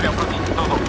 どうぞ」